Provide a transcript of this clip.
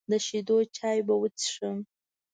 د شیدو چای به وڅښم.